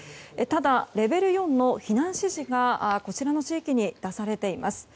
ただ、レベル４の避難指示がこちらの地域に出されています。